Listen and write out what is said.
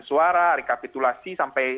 suara rekapitulasi sampai